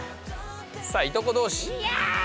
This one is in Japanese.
さあいとこ同士。